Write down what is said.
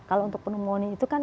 kalau untuk pneumonia itu kan